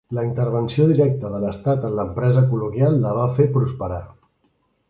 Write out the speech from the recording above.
La intervenció directa de l'estat en l'empresa colonial la va fer prosperar.